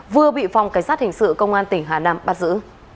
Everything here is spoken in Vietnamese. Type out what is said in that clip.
vừa bị phòng cảnh sát hình sự công an tỉnh hà nam bắt giữ